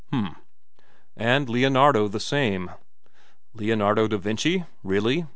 "H'm." "And Leonardo the same." "Leonardo da Vinci? Really?